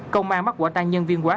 công an bắt quả tan nhân viên quá